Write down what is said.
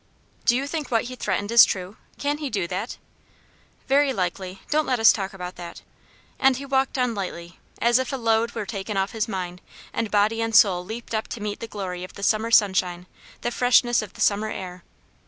"Do you think what he threatened is true? Can he do it?" "Very likely; don't let us talk about that." And he walked on lightly, as if a load were taken off his mind, and body and soul leaped up to meet the glory of the summer sunshine, the freshness of the summer air.